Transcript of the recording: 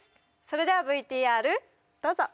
それではＶＴＲどうぞ！